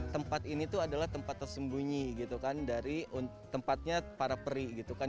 tempat ini tuh adalah tempat tersembunyi gitu kan dari tempatnya para peri gitu kan